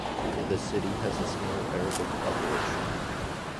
The city has a small Arabic population.